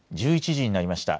１１時になりました。